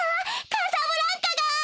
カサブランカが！